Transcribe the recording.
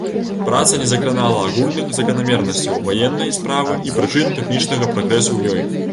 Праца не закранала агульных заканамернасцяў ваеннай справы і прычын тэхнічнага прагрэсу ў ёй.